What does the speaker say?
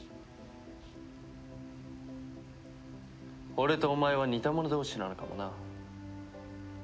俺とお前は似た者同士なのかもな。